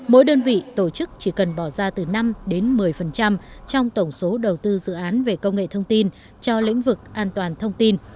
mỗi đơn vị tổ chức chỉ cần bỏ ra từ năm đến một mươi trong tổng số đầu tư dự án về công nghệ thông tin cho lĩnh vực an toàn thông tin